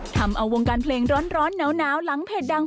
ทำเอาวงการเพลงร้อนหนาวหลังเพจดัง